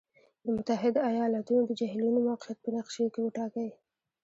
د متحد ایالاتو د جهیلونو موقعیت په نقشې کې وټاکئ.